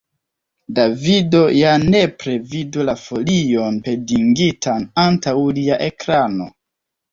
Davido ja nepre vidu la folion pendigitan antaŭ lia ekrano.